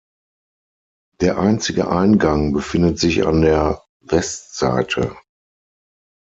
Der einzige Eingang befindet sich an der Westseite.